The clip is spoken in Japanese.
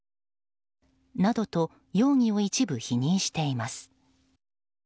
などと容疑を一部否認しています。